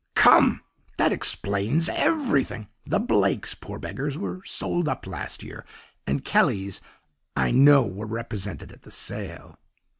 "'Come! that explains everything. The Blakes poor beggars were sold up last year, and Kelly's, I know, were represented at the sale.